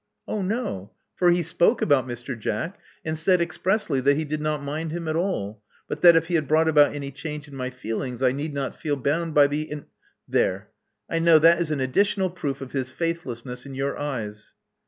Oh, no; for he spoke about Mr. Jack, and isaid expressly that he did not mind him at all ; but that, if he had brought about any change in my feelings, I need not feel bound by the eng There: I know that is an additional proof of his faithlessness in your eyes."